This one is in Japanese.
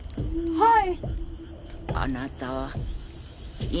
はい。